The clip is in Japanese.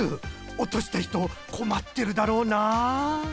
おとしたひとこまってるだろうな